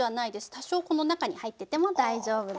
多少この中に入ってても大丈夫です。